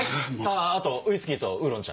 あとウイスキーとウーロン茶。